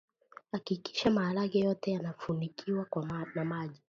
hakikisha maharage yote yanafunikwa na maji